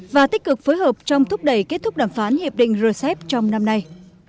và tích cực phối hợp trong thúc đẩy kết thúc đàm phán hiệp định rcep trong năm nay